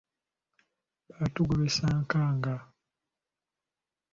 Batugobesa nkaaga.